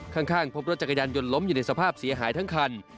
ข้างพบรถจักรยานยนต์ล้มอยู่ในสภาพเสียหายทั้งคัน